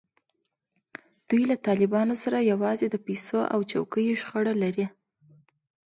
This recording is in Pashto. دوی له طالبانو سره یوازې د پیسو او څوکیو شخړه لري.